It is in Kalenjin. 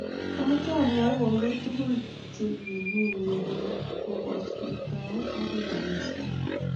amoche amwoi kongoi tugul che ki mii urerioni kobochi kotou agoi kakesune